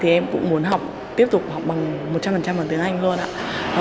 em cũng muốn học tiếp tục học bằng một trăm linh bằng tiếng anh luôn ạ